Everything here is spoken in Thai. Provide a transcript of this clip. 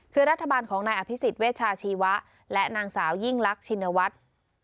คือรัฐบาลของนายอภิษฎเวชาชีวะและนางสาวยิ่งลักชินวัฒน์